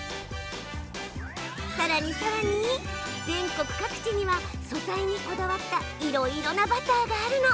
さらにさらに全国各地には素材にこだわったいろいろなバターがあるの。